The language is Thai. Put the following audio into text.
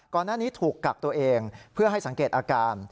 ก่อนหน้านี้ถูกกักตัวเองเพื่อให้สังเกตอาการ